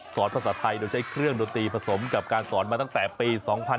ภาษาไทยโดยใช้เครื่องดนตรีผสมกับการสอนมาตั้งแต่ปี๒๕๕๙